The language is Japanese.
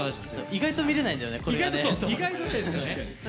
意外と見れないんだよね、これがね。